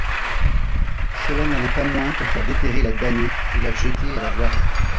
Cela n'allait pas moins qu'à faire déterrer la damnée et la jeter à la voirie.